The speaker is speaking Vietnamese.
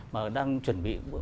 mà đang chuẩn bị